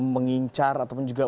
mengincar ataupun juga